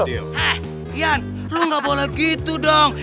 hah ian lu gak boleh gitu dong